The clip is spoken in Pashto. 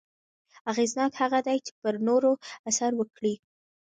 اغېزناک هغه دی چې پر نورو اثر وکړي.